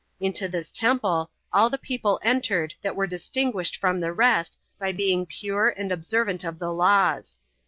Into this temple all the people entered that were distinguished from the rest by being pure and observant of the laws.